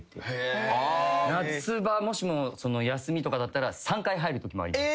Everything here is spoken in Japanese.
夏場もしも休みとかだったら３回入るときもあります。